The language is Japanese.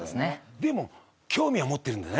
でも興味は持ってるんだよね。